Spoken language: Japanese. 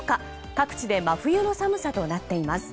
各地で真冬の寒さとなっています。